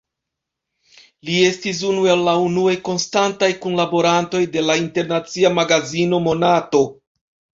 Li estis unu el la unuaj konstantaj kunlaborantoj de la internacia magazino "Monato".